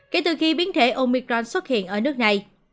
kể từ khi biến thể omicron xuất hiện ở nước này